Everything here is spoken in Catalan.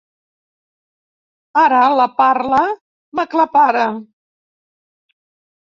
Ara la parla m'aclapara.